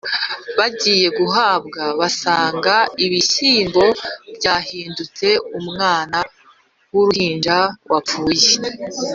Bagiye guhambura, basanga ibishyimbo byahindutse umwana w'uruhinja wapfuye